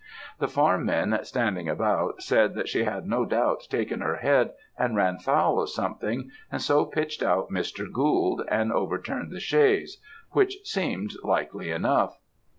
The farm men, standing about, said, that she had no doubt taken her head, and ran foul of something, and so pitched out Mr. Gould, and overturned the chaise; which seemed likely enough.